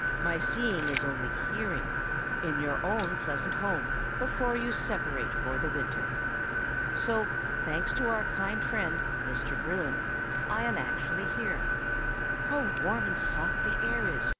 my seeing is only hearing—in your own pleasant home, before you separate for the winter. So, thanks to our kind friend, Mr. Bruin, I am actually here. How warm and soft the air is!"